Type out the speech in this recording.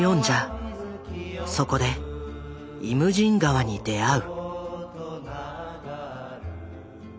そこで「イムジン河」に出会う。